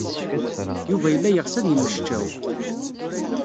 Yuba yella yeɣs ad yemmecčaw.